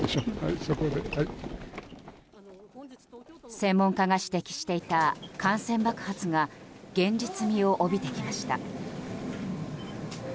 専門家が指摘していた感染爆発が現実味を帯びてきました。